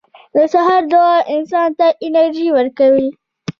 • د سهار دعا انسان ته انرژي ورکوي.